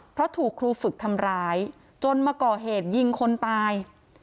เพราะถูกครูฝึกทำร้ายจนมาก่อเหตุยิงคนตาย